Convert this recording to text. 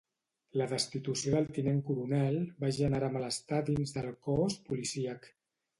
La destitució del tinent coronel va generar malestar dins del cos policíac.